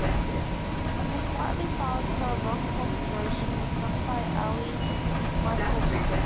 This slightly faster rock-pop version was sung by Aly Michalka.